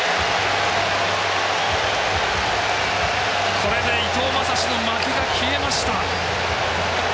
これで伊藤将司の負けが消えました。